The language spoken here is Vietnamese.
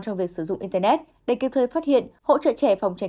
trong việc sử dụng internet để kịp thời phát hiện hỗ trợ trẻ phòng tránh